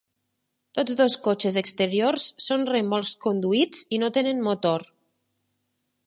Tots dos cotxes exteriors són remolcs conduïts i no tenen motor.